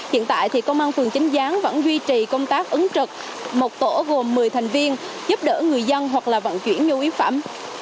hiện tại thì công an phường chính gián vẫn duy trì công tác ứng trực một tổ gồm một mươi thành viên giúp đỡ người dân hoặc là vận chuyển nhu yếu phẩm